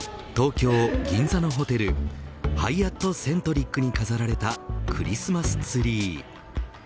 東京、銀座のホテルハイアット・セントリックに飾られたクリスマスツリー。